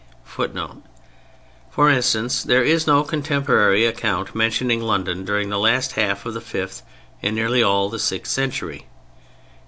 [Footnote: For instance, there is no contemporary account mentioning London during the last half of the fifth and nearly all the sixth century.